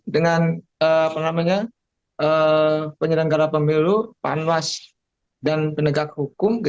dan penyelenggara pemilu panwas dan penegak hukum